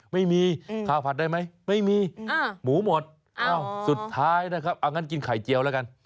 ไม่มีข้าวผัดได้ไหมไม่มีหมูหมดสุดท้ายนะครับเอางั้นกินไข่เจียวแล้วกัน